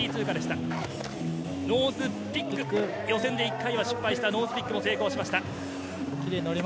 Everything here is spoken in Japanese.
ノーズピック、予選で１回は失敗したノーズピック、成功しました。